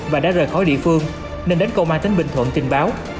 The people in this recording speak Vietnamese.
và đã rời khỏi địa phương nên đến công an tỉnh bình thuận trình báo